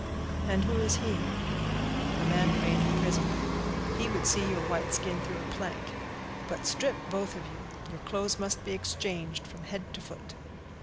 "And who is he?" "The man who made you prisoner. He would see your white skin through a plank. But strip, both of you; your clothes must be exchanged from head to foot."